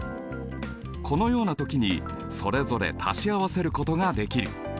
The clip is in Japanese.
このような時にそれぞれ足し合わせることができる。